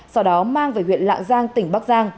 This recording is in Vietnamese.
sau đó mang về huyện lạng giang tỉnh bắc giang